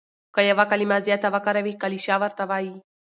که یو کلیمه زیاته وکاروې کلیشه ورته وايي.